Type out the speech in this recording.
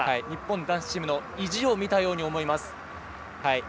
日本男子チームの意地を見たように思います。